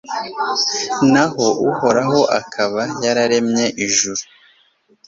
naho uhoraho akaba yararemye ijuru